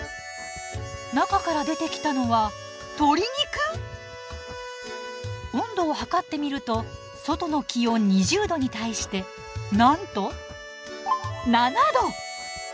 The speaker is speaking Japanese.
中から出てきたのは鶏肉⁉温度を測ってみると外の気温２０℃に対してなんと７℃！